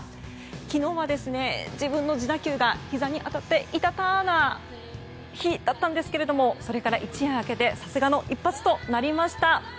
昨日は自分の自打球がひざに当たってイタタな日だったんですけどそれから一夜明けてさすがの一発となりました。